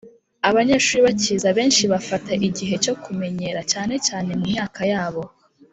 Abanyeshuri bakiza benshi bafata igihe cyo kumenyera cyane cyane mu myaka yabo